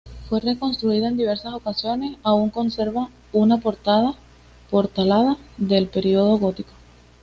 Fue reconstruida en diversas ocasiones; aún conserva una portalada del periodo gótico.